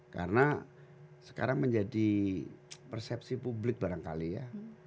karena sekarang menjadi persepsi publik barangkali ya